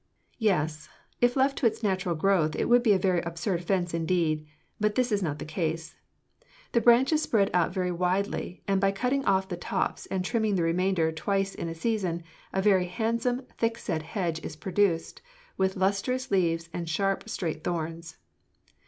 "Yes, if left to its natural growth, it would be a very absurd fence indeed. But this is not the case; the branches spread out very widely, and by cutting off the tops and trimming the remainder twice in a season a very handsome thickset hedge is produced, with lustrous leaves and sharp, straight thorns.